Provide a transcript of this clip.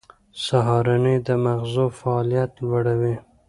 سهارنۍ د مغزو فعالیت لوړوي.